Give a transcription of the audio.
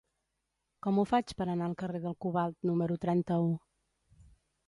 Com ho faig per anar al carrer del Cobalt número trenta-u?